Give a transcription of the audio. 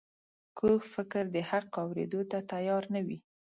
کوږ فکر د حق اورېدو ته تیار نه وي